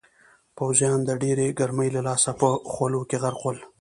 پوځیان د ډېرې ګرمۍ له لاسه په خولو کې غرق ول.